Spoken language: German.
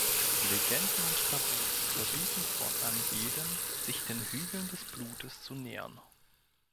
Legenden und Tabus verbieten fortan jedem, sich den „Hügeln des Blutes“ zu nähern.